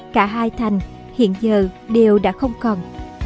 cả hai thành hiện giờ đều đã không còn